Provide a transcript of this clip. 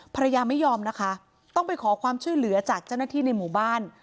ภรรยาไม่ยอมนะคะต้องไปขอความช่วยเหลือจากเจ้าหน้าที่ในหมู่บ้าน